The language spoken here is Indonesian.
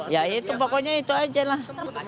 ya itu pokoknya itu aja lah